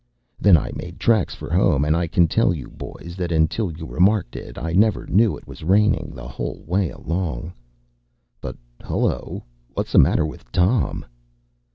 Then I made tracks for home; and I can tell you, boys, that, until you remarked it, I never knew it was raining, the whole way along. But hollo! what’s the matter with Tom?